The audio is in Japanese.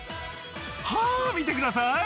はぁ見てください！